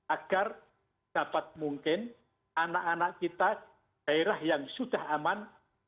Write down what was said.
agar dapat mungkin anak anak kita daerah yang sudah aman